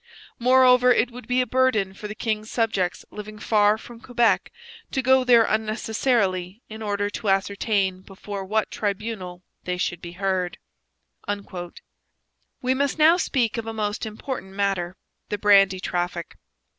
Moreover it would be a burden for the king's subjects living far from Quebec to go there unnecessarily in order to ascertain before what tribunal they should be heard. We must now speak of a most important matter the brandy traffic.